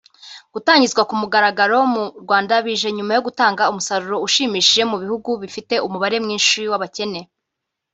Gutangizwa ku mugaragaro mu Rwanda bije nyuma yo gutanga umusaruro ushimishije mu bihugu bifite umubare mwinshi w’abakene